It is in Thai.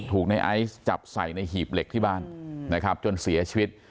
ในไอซ์จับใส่ในหีบเหล็กที่บ้านนะครับจนเสียชีวิต